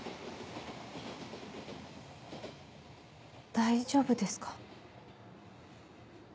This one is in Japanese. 大丈夫ですか？